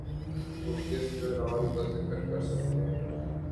وہ کس بحران کا ذکر کرسکتے ہیں؟